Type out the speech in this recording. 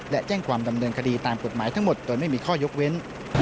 และแจ้งความดำเนินคดีตามกฎหมายทั้งหมดโดยไม่มีข้อยกเว้น